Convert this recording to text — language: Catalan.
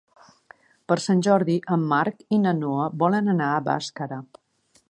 Per Sant Jordi en Marc i na Noa volen anar a Bàscara.